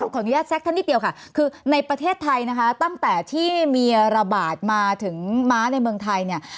ขออนุญาตแทรกท่านนิดเดียวค่ะคือในประเทศไทยนะคะตั้งแต่ที่มีระบาดมาถึงม้าในเมืองไทยเนี่ย